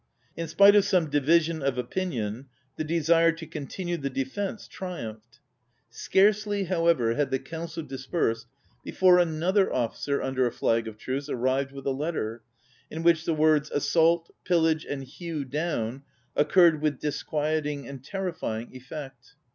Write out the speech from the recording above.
In spite of some division of opinion, the desire to continue the defence triumphed. Scarcely, however, had the coimcil dispersed before another officer under a flag of truce arrived with a letter, in which the words " assault," " pillage,'' and " hew down" occurred with disquieting and terrifying efi^ect.